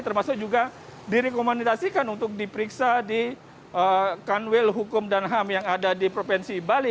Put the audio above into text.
termasuk juga direkomendasikan untuk diperiksa di kanwil hukum dan ham yang ada di provinsi bali